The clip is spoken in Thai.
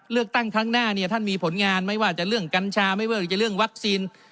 เลือกตั้งครั้งหน้าเนี่ยท่านมีผลงานไม่ว่าจะเรื่องกัญชาไม่ว่าจะเรื่องวัคซีน